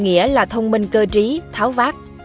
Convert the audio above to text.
nghĩa là thông minh cơ trí tháo vác